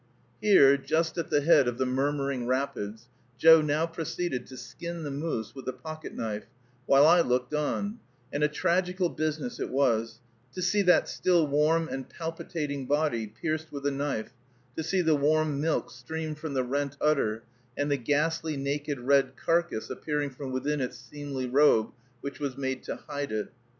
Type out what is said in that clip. Here, just at the head of the murmuring rapids, Joe now proceeded to skin the moose with a pocket knife, while I looked on; and a tragical business it was, to see that still warm and palpitating body pierced with a knife, to see the warm milk stream from the rent udder, and the ghastly naked red carcass appearing from within its seemly robe, which was made to hide it.